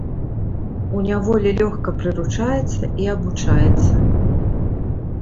У няволі лёгка прыручаецца і абучаецца.